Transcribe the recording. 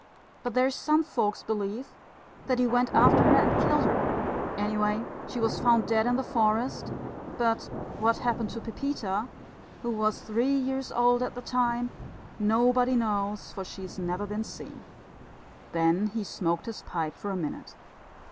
But there's some folks believe that he went after her and killed her anyway, she was found dead in the forest but what happened to Pepita, who was three years old at the time, nobody knows, for she's never been seen." Then he smoked his pipe for a minute.